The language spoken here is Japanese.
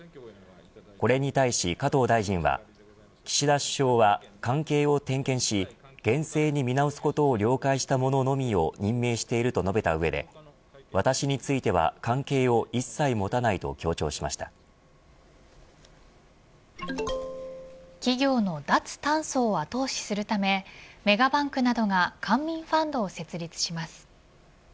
これに対し、加藤大臣は岸田首相は、関係を点検し厳正に見直すことを了解した者のみを任命していると述べた上で私については関係を一切持たない企業の脱炭素を後押しするためメガバンクなどが官民ファンドを設立します。